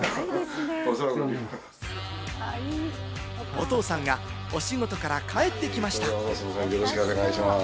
お父さんがお仕事から帰ってきました。